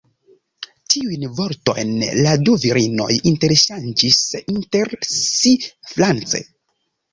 Tiujn vortojn la du virinoj interŝanĝis inter si france.